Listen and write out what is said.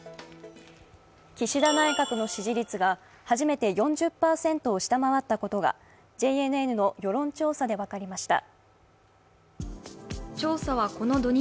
岸田内閣の支持率が初めて４０％を下回ったことがＪＮＮの世論調査で分かりました。